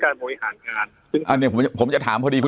การบัวอหารงานอ่าเนี้ยผมจะผมจะถามพอดีครู